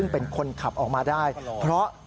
เป็นคนขับออกมาได้เพราะ